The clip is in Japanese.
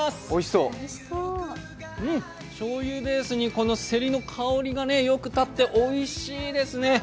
うん、しょうゆベースにこのせりの香りがよく立っておいしいですね。